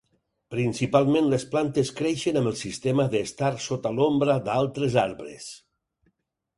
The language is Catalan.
Principalment les plantes creixen amb el sistema d'estar sota l'ombra d'altres arbres.